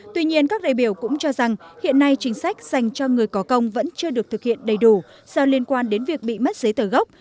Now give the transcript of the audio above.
tuy nhiên các đại biểu cũng cho rằng hiện nay chính sách dành cho người có công vẫn chưa được thực hiện đầy đủ do liên quan đến việc bị mất giấy tờ gốc